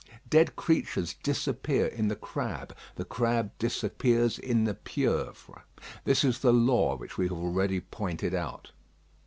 Dead creatures disappear in the crab, the crab disappears in the pieuvre. This is the law which we have already pointed out.